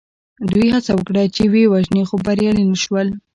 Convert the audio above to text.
دوی هڅه وکړه چې ویې وژني خو بریالي نه شول.